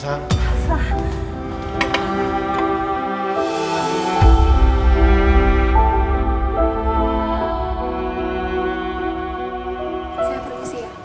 saya perlu usia